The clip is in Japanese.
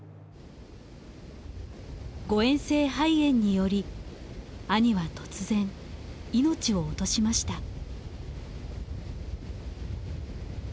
誤嚥性肺炎により兄は突然命を落としました。